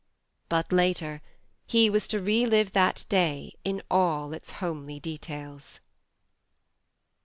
But later he was to re live that day in all its homely details.